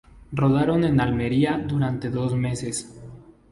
Rodaron en Almería durante dos meses.